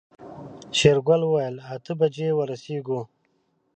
شېرګل وويل اته بجې ورسيږو.